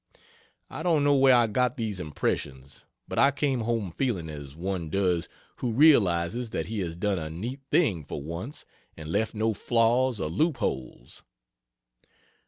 I don't know where I got these impressions, but I came home feeling as one does who realizes that he has done a neat thing for once and left no flaws or loop holes.